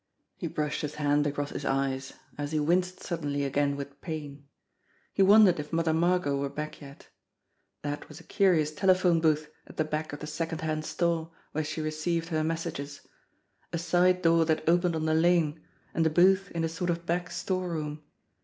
He brushed his hand across his eyes, as he winced sud denly again with pain. He wondered if Mother Margot were back yet. That was a curious telephone booth at the back of the second hand store where she received her messages! A side door that opened on the lane and the booth in a sort of back storeroom